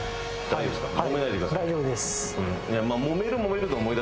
大丈夫です。